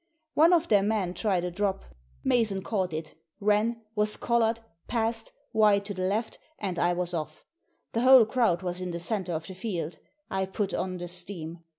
One of their men tried a drop. Mason caught it, ran, was collared, passed — ^wide to the left — and I was off. The whole crowd was in the centre of the field. I put on the steam.